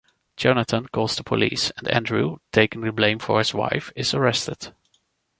Jonathan calls the police, and Andrew, taking the blame for his wife, is arrested.